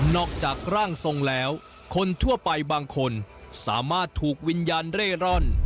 จากร่างทรงแล้วคนทั่วไปบางคนสามารถถูกวิญญาณเร่ร่อน